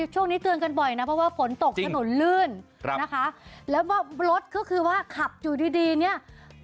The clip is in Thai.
ช่วงนี้เตือนกันบ่อยนะเพราะว่าฝนตกถนนลื่นนะคะแล้วว่ารถก็คือว่าขับอยู่ดีดีเนี่ย